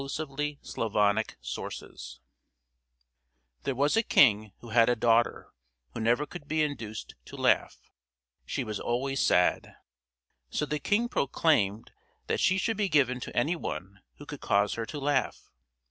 XII GEORGE WITH THE GOAT There was a king who had a daughter who never could be induced to laugh; she was always sad. So the king proclaimed that she should be given to any one who could cause her to laugh.